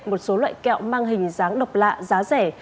một số loại kẹo mang hình dáng độc lạ giá rẻ